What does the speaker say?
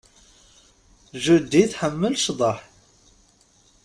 Judy tḥemmel cḍeḥ.